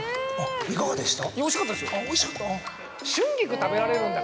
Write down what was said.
いかがでした？